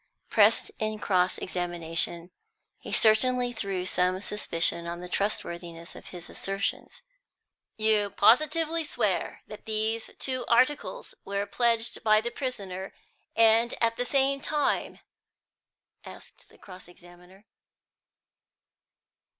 Pressed in cross examination, he certainly threw some suspicion on the trustworthiness of his assertions. "You positively swear that these two articles were pledged by the prisoner, and at the same time!" asked the cross examiner.